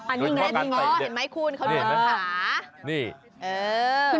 อันนี้เห็นไหมคุณเขานวดขา